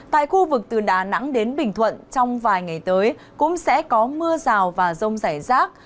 tại khu vực từ đà nẵng đến bình thuận trong vài ngày tới cũng sẽ có mưa rào và rông rải rác